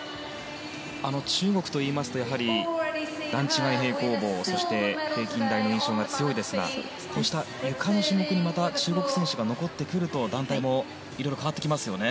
中国といいますと段違い平行棒そして、平均台の印象が強いですがこうした、ゆかの種目にも中国選手が残ってくると団体もいろいろ変わってきますよね。